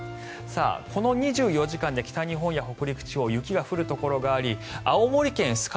この２４時間で北日本や北陸地方雪が降るところがあり青森県酸ケ